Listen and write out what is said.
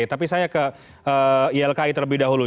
tapi saya ke ylki terlebih dahulu